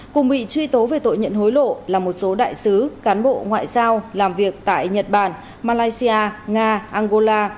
cùng bị truy tố về tội nhận hối lộ là một số đại sứ cán bộ ngoại giao làm việc tại nhật bản malaysia nga angola